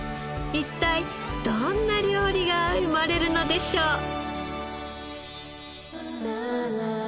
一体どんな料理が生まれるのでしょう。